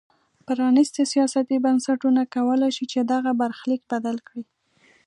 پرانیستي سیاسي بنسټونه کولای شي چې دغه برخلیک بدل کړي.